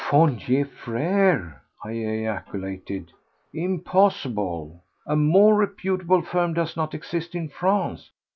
"Fournier Frères!" I ejaculated. "Impossible! A more reputable firm does not exist in France."